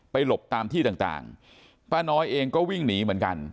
หลบตามที่ต่างป้าน้อยเองก็วิ่งหนีเหมือนกัน